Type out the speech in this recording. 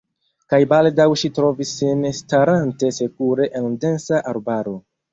Kaj baldaŭ ŝi trovis sin staranta sekure en densa arbaro.